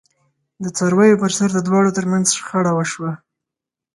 د څارویو پرسر د دواړو ترمنځ شخړه وشوه.